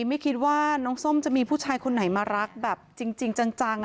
ไม่คิดว่าน้องส้มจะมีผู้ชายคนไหนมารักแบบจริงจัง